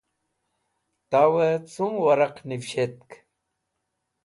Tawẽ cum wẽraq nivishtk?